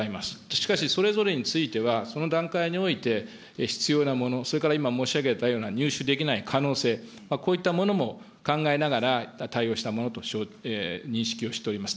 しかしそれぞれについては、その段階において、必要なもの、それから今申し上げたような入手できない可能性、こういったものも考えながら対応したものと認識をしております。